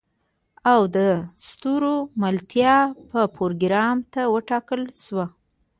او د ستورملتابه پروګرام ته وټاکل شوه.